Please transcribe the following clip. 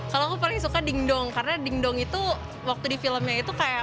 kalau aku paling suka dingdong karena dingdong itu waktu di filmnya itu kayak